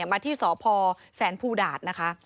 มาที่สพแสนภูดาส